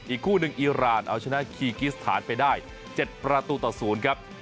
คู่หนึ่งอีรานเอาชนะคีกิสถานไปได้๗ประตูต่อ๐ครับ